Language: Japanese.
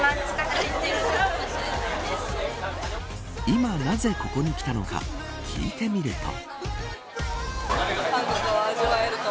今、なぜここに来たのか聞いてみると。